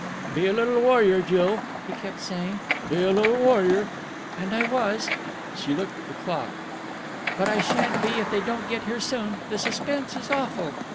'Be a little warrior, Jill!' he kept saying. 'Be a little warrior!' And I was." She looked at the clock. "But I shan't be if they don't get here soon. The suspense is awful."